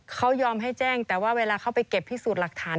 เขายอมให้แจ้งแต่ว่าเวลาเขาไปเก็บพิสูจน์หลักฐาน